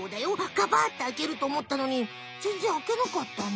ガバッてあけるとおもったのにぜんぜんあけなかったね。